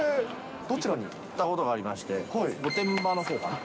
どちら行ったことがありまして、御殿場のほうかな。